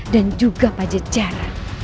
dan juga pajajara